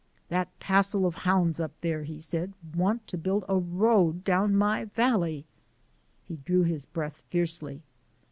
"That' passel o' hounds up there," he said, "want to build a road down my valley." He drew his breath fiercely.